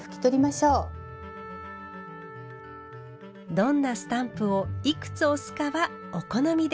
どんなスタンプをいくつ押すかはお好みで。